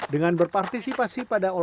dengan berpartisipasi pada olahraga